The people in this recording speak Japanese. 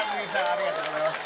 ありがとうございます。